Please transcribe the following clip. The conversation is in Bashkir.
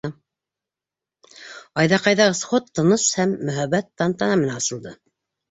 Айҙаҡайҙағы сход тыныс һәм мөһабәт тантана менән асылды.